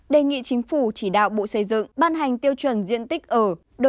đề nghị chính phủ chỉ đạo bộ xây dựng ban hành tiêu chuẩn diện tích ở